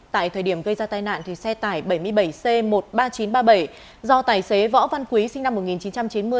tại thời điểm gây ra tai nạn xe tải bảy mươi bảy c một mươi ba nghìn chín trăm ba mươi bảy do tài xế võ văn quý sinh năm một nghìn chín trăm chín mươi